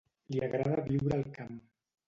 Li agrada viure al camp.